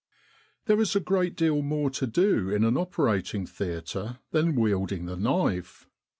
"There is a great deal more to do in an operating theatre than wielding the knife.